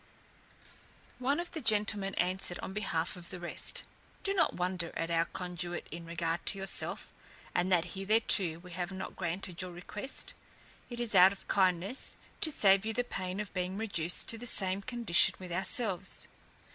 One of the gentlemen answered on behalf of the rest, "Do not wonder at our conduit in regard to yourself, and that hitherto we have not granted your request: it is out of kindness, to save you the pain of being reduced to the same condition with ourselves.